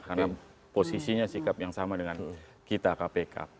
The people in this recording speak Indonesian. karena posisinya sikap yang sama dengan kita kpk